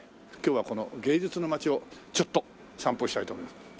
今日はこの芸術の街をちょっと散歩したいと思います。